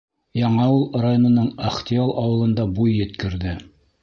Яңауыл районының Ахтиял ауылында буй еткерҙе.